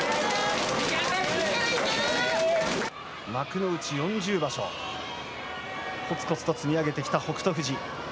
幕内４０場所、こつこつと積み上げてきた北勝富士。